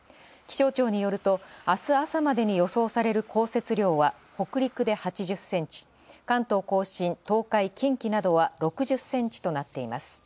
気象庁によると、明日朝までに予想される降雪量は北陸で８０センチ、関東甲信・東海・近畿などは６０センチとなっています。